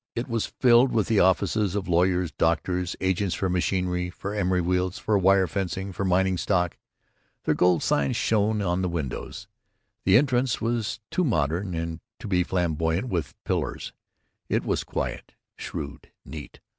It was filled with the offices of lawyers, doctors, agents for machinery, for emery wheels, for wire fencing, for mining stock. Their gold signs shone on the windows. The entrance was too modern to be flamboyant with pillars; it was quiet, shrewd, neat.